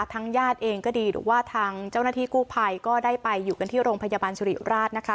ญาติเองก็ดีหรือว่าทางเจ้าหน้าที่กู้ภัยก็ได้ไปอยู่กันที่โรงพยาบาลสุริราชนะคะ